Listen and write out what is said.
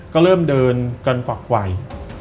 ก็เริ่มเดินกันฝักไหว